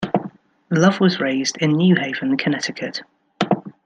Love was raised in New Haven, Connecticut.